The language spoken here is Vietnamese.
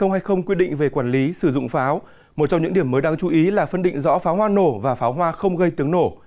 nghị định một trăm ba mươi bảy hai nghìn hai mươi quy định về quản lý sử dụng pháo một trong những điểm mới đáng chú ý là phân định rõ pháo hoa nổ và pháo hoa không gây tiếng nổ